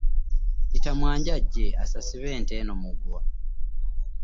Yita mwanje ajje asasibe ente eno ku muguwa.